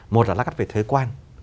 một là lát cắt về thuế quan